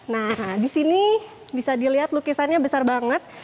nah di sini bisa dilihat lukisannya besar banget